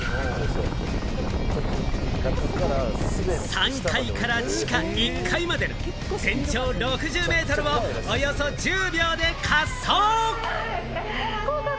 ３階から地下１階まで全長６０メートルをおよそ１０秒で滑走！